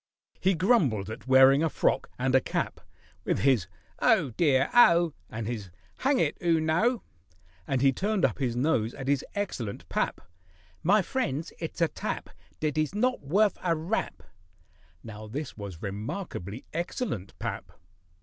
He grumbled at wearing a frock and a cap, With his "Oh, dear, oh!" And his "Hang it! 'oo know!" And he turned up his nose at his excellent pap— "My friends, it's a tap Dat is not worf a rap." (Now this was remarkably excellent pap.)